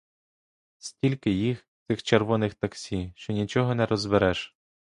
Стільки їх, цих червоних таксі, що нічого не розбереш.